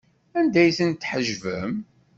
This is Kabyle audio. Anda ay ten-tḥejbem?